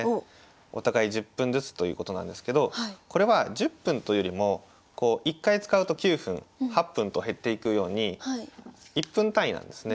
お互い１０分ずつということなんですけどこれは１０分というよりも１回使うと９分８分と減っていくように１分単位なんですね。